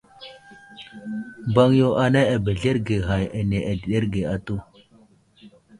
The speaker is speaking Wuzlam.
Mbaŋ yo anay abəzləreege ghay áne adəɗerge atu.